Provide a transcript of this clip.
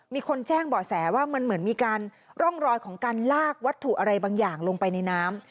มีคนแจ้งเบาะแสว่ามันเหมือนมีการร่องรอยของการลากวัตถุอะไรบางอย่างลงไปในน้ำ